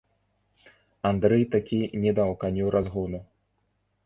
Андрэй такі не даў каню разгону.